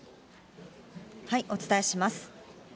お伝えします。